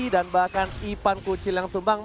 dan bahkan ipan kucil yang tumbang